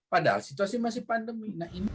padahal situasi masih pandemi